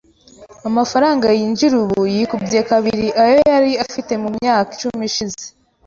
Amafaranga yinjiza ubu yikubye kabiri ayo yari afite mu myaka icumi ishize .